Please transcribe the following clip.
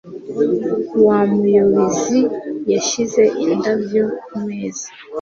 Wa muyobizi yashyize indabyo kumeza.